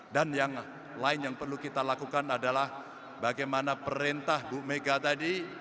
dan yang lain yang perlu kita lakukan adalah bagaimana perintah bumega tadi